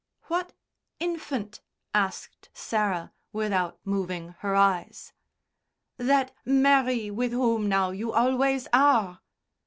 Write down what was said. "What infant?" asked Sarah, without moving her eyes. "That Mary with whom now you always are."